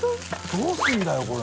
どうするんだよこれ。